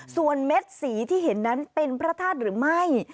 ส่วนเม็ดสีที่เห็นนั้นเป็นพระธาตุหรือไม่